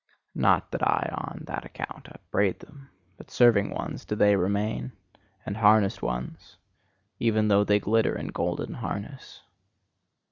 Not that I on that account upbraid them: but serving ones do they remain, and harnessed ones, even though they glitter in golden harness.